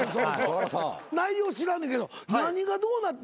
内容知らんねんけど何がどうなって。